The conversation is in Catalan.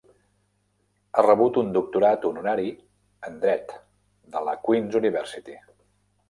Ha rebut un doctorat honorari en dret de la Queen's University.